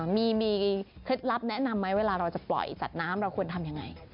มีเคล็ดลับแนะนำไหมเวลาเราจะปล่อยสัตว์น้ำเราควรทำยังไง